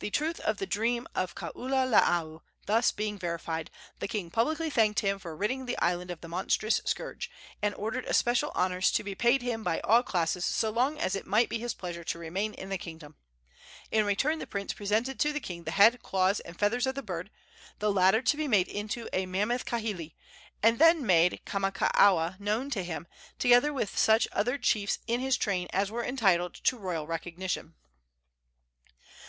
The truth of the dream of Kaululaau thus being verified, the king publicly thanked him for ridding the island of the monstrous scourge, and ordered especial honors to be paid him by all classes so long as it might be his pleasure to remain in the kingdom. In return the prince presented to the king the head, claws and feathers of the bird, the latter to be made into a mammoth kahili, and then made Kamakaua known to him, together with such other chiefs in his train as were entitled to royal recognition.